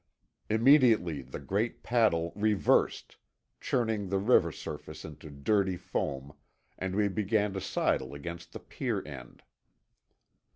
Immediately the great paddle reversed, churning the river surface into dirty foam, and we began to sidle against the pier end.